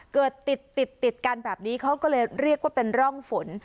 เกิดติดติดกันแบบนี้เขาก็เลยเรียกว่าเป็นร่องฝน